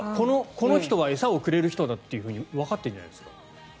この人は餌をくれる人だってわかってるんじゃないですか。